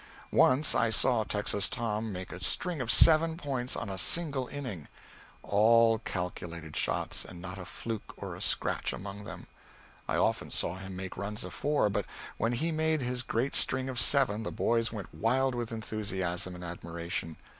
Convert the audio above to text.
Once I saw Texas Tom make a string of seven points on a single inning! all calculated shots, and not a fluke or a scratch among them. I often saw him make runs of four, but when he made his great string of seven, the boys went wild with enthusiasm and admiration.